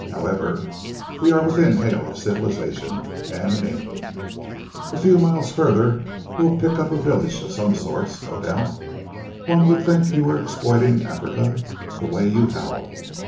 However we are within hail of civilization, and in England. A few miles further we'll pick up a village of sorts no doubt. One would think you were exploiting Africa the way you howl."